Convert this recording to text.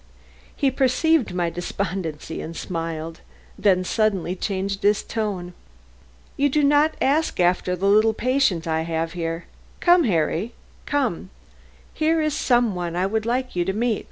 He perceived my despondency and smiled; then suddenly changed his tone. "You do not ask after the little patient I have here. Come, Harry, come; here is some one I will let you see."